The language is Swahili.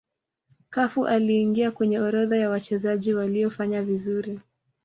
cafu aliingia kwenye orodha ya wachezaji waliofanya vizuri